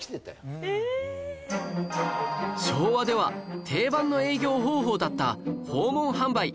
昭和では定番の営業方法だった訪問販売